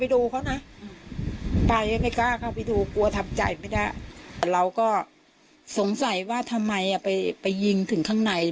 เราก็สงสัยว่าทำไมไปยิงถึงข้างใน